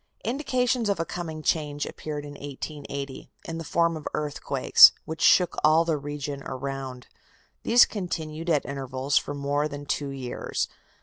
Indications of a coming change appeared in 1880, in the form of earthquakes, which shook all the region around. These continued at intervals for more that two years.